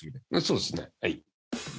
そうですねはい。